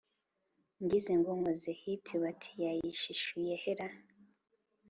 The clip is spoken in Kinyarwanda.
Ngize ngo nkoze hit bati yayishishuye he ra?